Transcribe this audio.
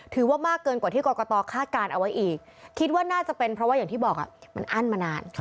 ถือว่ามากเกินกว่าที่กรกตคาดการณ์เอาไว้อีกคิดว่าน่าจะเป็นเพราะว่าอย่างที่บอกมันอั้นมานาน